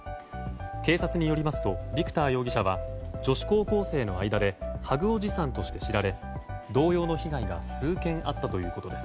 警察によりますとヴィクター容疑者は女子高校生の間でハグおじさんとして知られ同様の被害が数件あったということです。